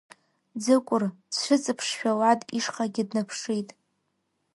Ӡыкәыр дцәыҵыԥшшәа Лад ишҟагьы днаԥшит.